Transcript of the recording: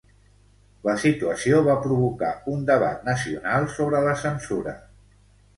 La situació va provocar un debat nacional sobre la censura.